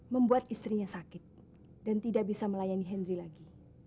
membuat istrinya sakit dan tidak bisa melayani henry lagi